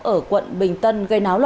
ở quận bình tân